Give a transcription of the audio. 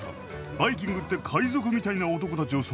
バイキングって海賊みたいな男たちを想像してない？